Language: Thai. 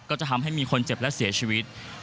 ก็จะทำให้มีคนเจ็บและเสียชีวิต